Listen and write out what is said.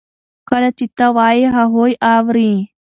کله چې ته وایې هغوی اوري.